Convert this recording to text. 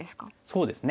そうですね。